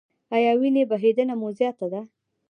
ایا وینې بهیدنه مو زیاته ده؟